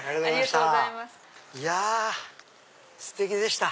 いやステキでした。